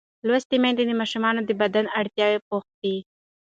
لوستې میندې د ماشوم د بدن اړتیاوې پوښتي.